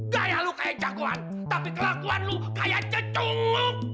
gaya lo kayak jagoan tapi kelakuan lo kayak jejung